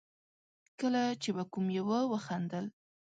کله چې به کوم يوه وخندل.